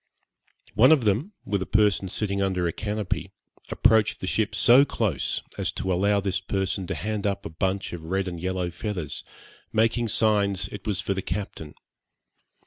One of them, with a person sitting under a canopy, approached the ship so close, as to allow this person to hand up a bunch of red and yellow feathers, making signs it was for the captain.